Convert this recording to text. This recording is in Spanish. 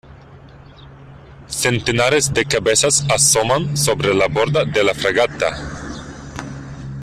centenares de cabezas asoman sobre la borda de la fragata,